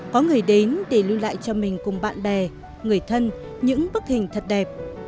có người đến để lưu lại cho mình cùng bạn bè người thân những bức hình thật đẹp